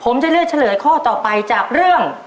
ผมจะเลือกเฉลยข้อต่อไปจากเรื่อง